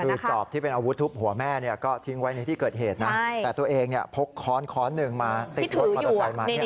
คือจอบที่เป็นอาวุธทุบหัวแม่เนี่ยก็ทิ้งไว้ในที่เกิดเหตุนะแต่ตัวเองเนี่ยพกค้อนค้อนหนึ่งมาติดรถมอเตอร์ไซค์มาเนี่ย